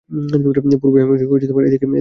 পূর্বেই আমি এদিকে ইংগিত দিয়েছি।